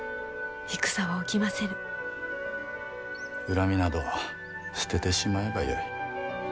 恨みなど捨ててしまえばよい。